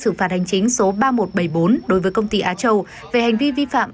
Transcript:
xử phạt hành chính số ba nghìn một trăm bảy mươi bốn đối với công ty á châu về hành vi vi phạm